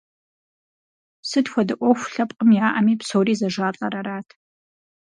Сыт хуэдэ ӏуэху лъэпкъым яӏэми псори зэжалӏэр арат.